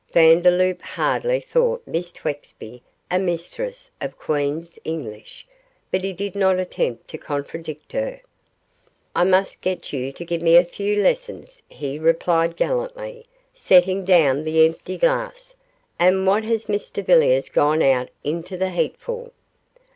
Vandeloup hardly thought Miss Twexby a mistress of Queen's English, but he did not attempt to contradict her. 'I must get you to give me a few lessons,' he replied, gallantly, setting down the empty glass; 'and what has Mr Villiers gone out into the heat for?